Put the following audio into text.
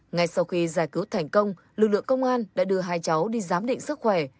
ngay sau khi giải cứu thành công lực lượng công an đã đưa hai cháu đi giám định sức khỏe